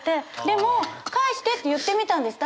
でも「返して」って言ってみたんです。